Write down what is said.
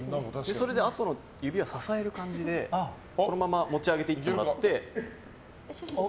それであとの指は支える感じでこのまま持ち上げてもらって。